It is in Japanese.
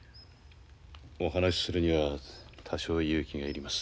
お話しするには多少勇気がいります。